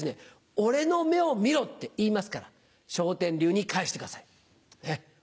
「俺の目を見ろ！」って言いますから笑点流に返してください。